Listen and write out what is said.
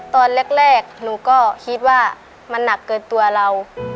ตอนแรกหนูก็คิดว่ามันหนักเกินตัวเรา